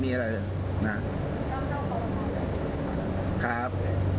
เดี๋ยวเรียบร้อยแล้วครับ